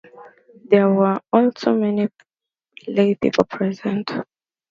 There were also many lay people present.